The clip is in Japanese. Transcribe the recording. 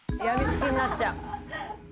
やみつきになっちゃう。